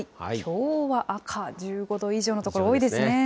きょうは赤、１５度以上の所、多いですね。